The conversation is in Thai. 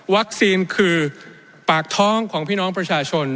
คือปากท้องของพี่น้องประชาชน